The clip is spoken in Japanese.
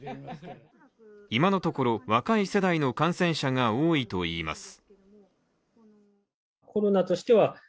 今のところ、若い世代の感染者が多いといいます。